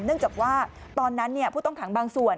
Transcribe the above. เนื่องจากว่าตอนนั้นผู้ต้องขังบางส่วน